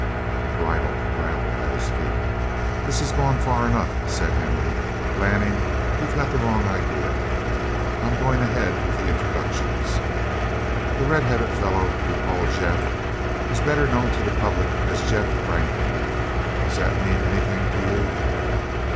The bridle rattled at his feet. "This has gone far enough," said Henry. "Lanning, you've got the wrong idea. I'm going ahead with the introductions. The red headed fellow we call Jeff is better known to the public as Jeff Rankin. Does that mean anything to you?"